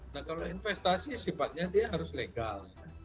nah kalau investasi sifatnya dia harus legal